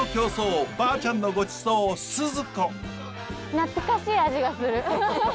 懐かしい味がする。